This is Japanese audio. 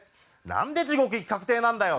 「なんで地獄行き確定なんだよ！」